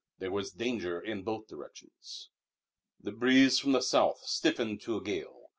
There was danger in both directions. The breeze from the south stiffened to a gale.